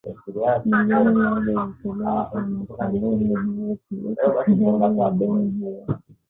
milioni moja ilitolewa kwa makampuni hayo kulipa sehemu ya deni hio